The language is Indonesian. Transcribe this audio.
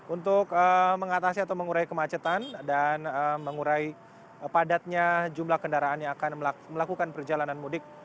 untuk mengatasi atau mengurai kemacetan dan mengurai padatnya jumlah kendaraan yang akan melakukan perjalanan mudik